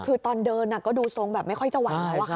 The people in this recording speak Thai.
คือตอนเดินอ่ะก็ดูสงแบบไม่ค่อยจะหวังแล้วอ่ะฮะ